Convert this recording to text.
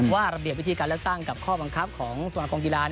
ระเบียบวิธีการเลือกตั้งกับข้อบังคับของสมาคมกีฬา